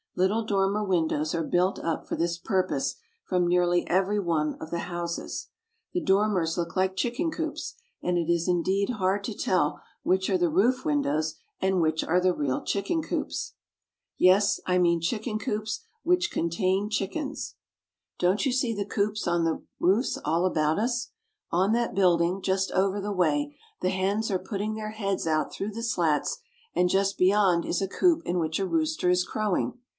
Little dormer windows are built up for this purpose from nearly every one of the houses. The dormers look like chicken coops, and it is indeed hard to tell which are the roof windows and which are the real chicken coops. Yes, I mean chicken coops which contain chickens. 'H^Kjir. " From the rooi we can see the shape of the houses. 62 PERU. Don't you see the coops on the roofs all about us? On that building just over the way the hens are putting their heads out through the slats, and just beyond is a coop in which a rooster is crowing.